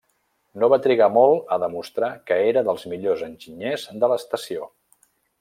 No va trigar molt a demostrar que era dels millors enginyers de l'estació.